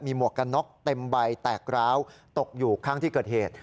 หวกกันน็อกเต็มใบแตกร้าวตกอยู่ข้างที่เกิดเหตุ